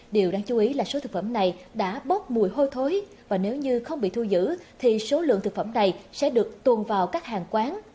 điều đáng chú ý là số thực phẩm này đã bốc mùi hôi thối và nếu như không bị thu giữ thì số lượng thực phẩm này sẽ được tuồn vào các hàng quán